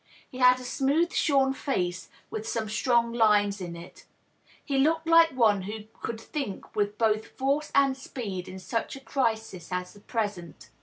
He had a smooth shorn face, with some strong lines in it ; he looked like one who could think with both force and speed in such a crisis as the present.